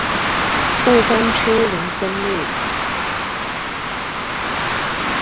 霧峰區林森路